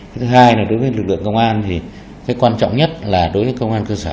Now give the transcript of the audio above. thứ hai là đối với lực lượng công an thì cái quan trọng nhất là đối với công an cơ sở